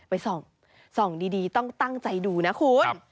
ส่องดีต้องตั้งใจดูนะคุณ